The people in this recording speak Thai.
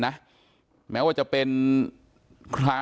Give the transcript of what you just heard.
ผมมีโพสต์นึงครับว่า